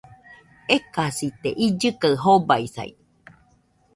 Ekasite, illɨ kaɨ jobaisai